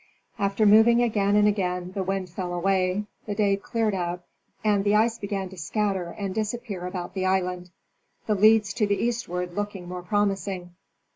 After moving again and again the wind fell away, the day cleared up, and the ice began to scatter and disappear about the island, the leads to the eastward looking more promising.